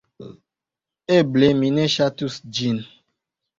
Eble, mi ne ŝatus ĝin